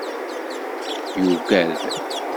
Yugad.